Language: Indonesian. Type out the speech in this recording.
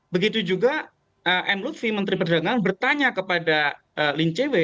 begitu juga m lutfi menteri perdagangan bertanya kepada lin che wei